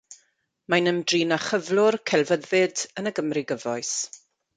Mae'n ymdrin â chyflwr celfyddyd yn y Gymru gyfoes.